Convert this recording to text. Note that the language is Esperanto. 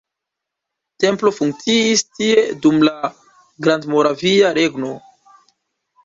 Templo funkciis tie dum la Grandmoravia Regno.